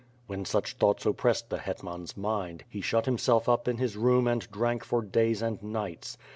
When such thoughts oppressed the hetman's mind, he shut himself up in his room and drank for days and nights.